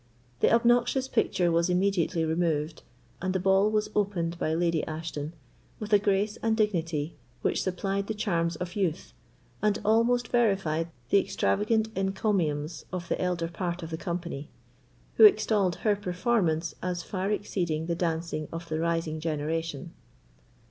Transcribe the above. The obnoxious picture was immediately removed, and the ball was opened by Lady Ashton, with a grace and dignity which supplied the charms of youth, and almost verified the extravagant encomiums of the elder part of the company, who extolled her performance as far exceeding the dancing of the rising generation.